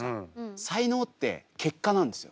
才能って結果なんですよ。